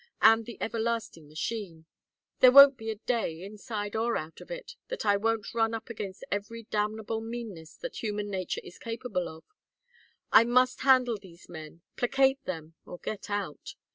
And the everlasting machine! There won't be a day, inside or out of it, that I won't run up against every damnable meanness that human nature is capable of. I must handle these men, placate them or get out.